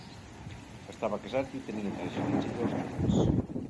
Estava casat i tenia tres fills i dos néts.